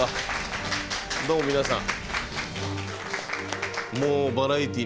どうも皆さん。